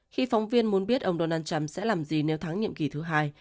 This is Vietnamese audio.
khi phóng viên muốn biết ông donald trump sẽ làm gì nếu thắng nhiệm kỳ thứ hai